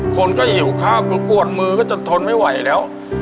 คนก็หิวข้าวก็กวนมือก็จะทนไม่ไหวแล้ว